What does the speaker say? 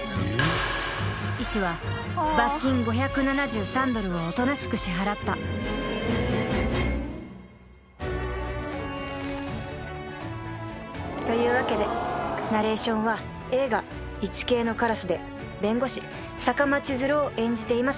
［医師は罰金５７３ドルをおとなしく支払った］というわけでナレーションは映画『イチケイのカラス』で弁護士坂間千鶴を演じています